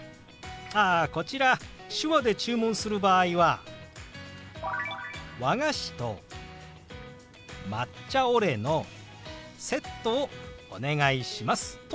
ああこちら手話で注文する場合は「和菓子と抹茶オレのセットをお願いします」と表します。